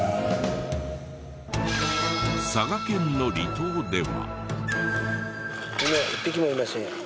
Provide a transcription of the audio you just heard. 佐賀県の離島では。